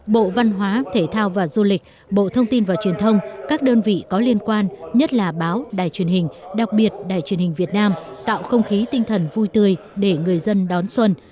bộ văn hóa thể thao và du lịch bộ thông tin và truyền thông các đơn vị có liên quan nhất là báo đài truyền hình đặc biệt đài truyền hình việt nam tạo không khí tinh thần vui tươi để người dân đón xuân